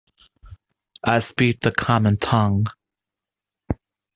I speak the common tongue.